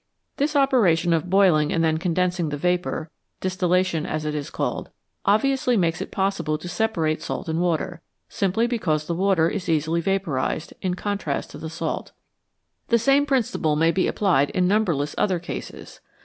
This operation of boiling and then condensing the vapour " distillation," as it is called obviously makes it possible to separate salt and water, simply because the water is easily vaporised, in contrast to the salt. The same principle may be applied in numberless other cases.